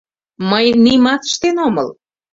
— Мый нимат ыштен омыл.